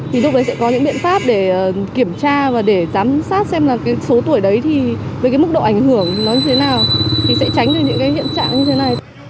thì lúc đấy sẽ có những biện pháp để kiểm tra và để giám sát xem là cái số tuổi đấy thì với cái mức độ ảnh hưởng nó như thế nào thì sẽ tránh được những cái hiện trạng như thế này